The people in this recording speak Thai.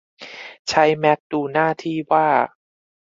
ใช้แมคดูหน้าที่ว่า